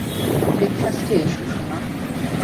ব্রেকফাস্টে এসো, সোনা।